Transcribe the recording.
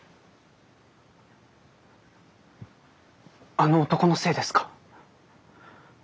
あの男のせいですか？